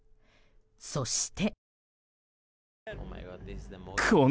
そして。